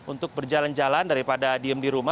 untuk berjalan jalan daripada diem di rumah